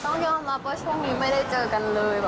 ต้องยอมรับว่าช่วงนี้ไม่ได้เจอกันเลย